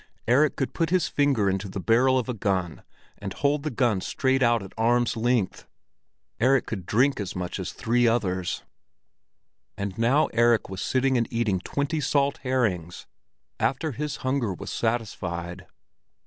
Erik could put his finger into the barrel of a gun, and hold the gun straight out at arm's length! Erik could drink as much as three others! And now Erik was sitting and eating twenty salt herrings after his hunger was satisfied.